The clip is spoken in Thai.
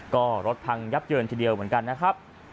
ก็รถพังยับเยินทีเดียวเหมือนกันนะครับ